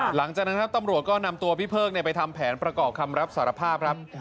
หลังจากนั้นครับตำรวจก็นำตัวพี่เพิกไปทำแผนประกอบคำรับสารภาพครับ